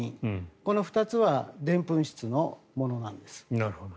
この２つはでんぷん質のものなんです。